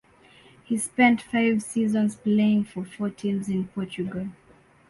He spent five seasons playing for four teams in Portugal.